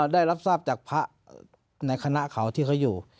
ได้รับทราบจากพระในคณะเขาที่เขาอยู่